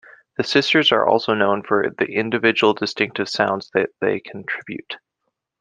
The sisters are also known for the individual distinctive sounds that they contribute.